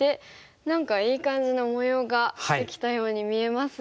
何かいい感じの模様ができたように見えますが。